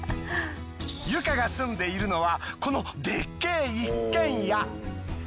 ユカが住んでいるのはこのでっけえ一軒家。